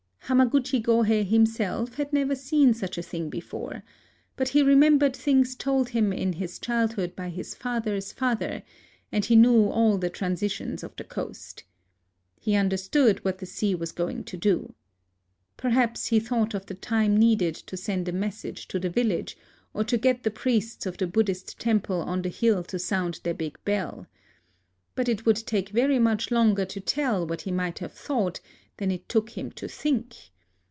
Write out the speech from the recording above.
Hamaguchi Gohei himself had never seen such a thing before ; but he remembered things told him in his childhood by his father's father, and he knew all the traditions of the coast. He understood what the sea was going to do. Perhaps he thought of the time needed to send a message to the village, or to get the priests of the Buddhist temple on the hill to sound their big bell. ... But it would take very much longer to tell what he might have thought than it took him to think.